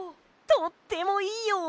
とってもいいよ！